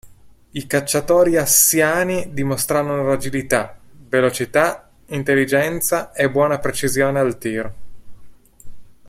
I cacciatori assiani dimostrarono agilità, velocità, intelligenza e buona precisione al tiro.